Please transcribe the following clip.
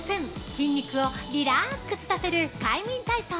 筋肉をリラックスさせる快眠体操。